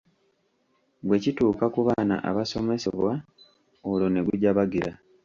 Bwe kituuka ku baana abasomesebwa olwo ne gujabagira.